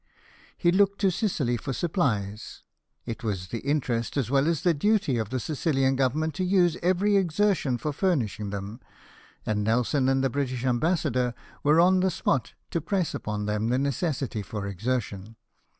He looked to Sicily for supplies ; it was the interest, as well as the duty, of the Sicilian Government to use every exertion for furnishing them ; and Nelson and the British ambassador were on the spot to press upon them the necessity for exertion.